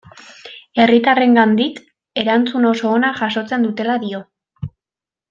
Herritarrengandik erantzun oso ona jasotzen dutela dio.